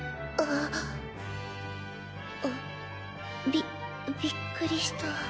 びびっくりした。